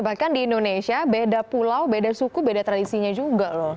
bahkan di indonesia beda pulau beda suku beda tradisinya juga loh